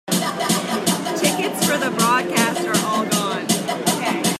Tickets for the broadcast are all gone.